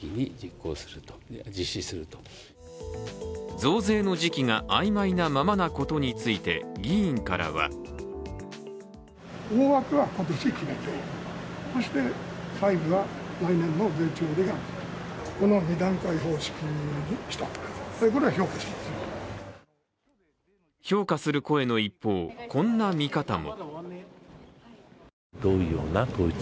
増税の時期が曖昧なままなことについて議員からは評価する声の一方、こんな見方も。